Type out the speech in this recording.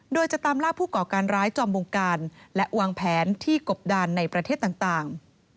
โดยจะตามล่าผู้ก่อการร้ายจอมวงการและวางแผนที่กบดานในประเทศต่าง